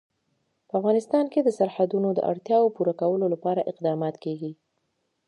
په افغانستان کې د سرحدونه د اړتیاوو پوره کولو لپاره اقدامات کېږي.